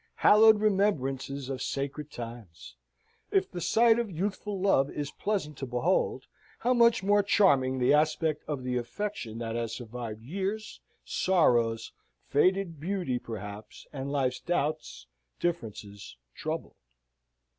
Hallowed remembrances of sacred times! If the sight of youthful love is pleasant to behold, how much more charming the aspect of the affection that has survived years, sorrows, faded beauty perhaps, and life's doubts, differences, trouble!